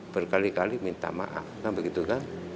berkali kali minta maaf kan begitu kan